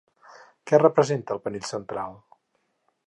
Què representa el panell central?